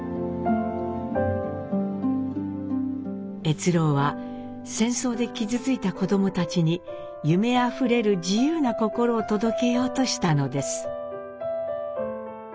越郎は戦争で傷ついた子供たちに夢あふれる自由な心を届けようとしたのです。